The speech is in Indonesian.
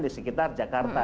di sekitar jakarta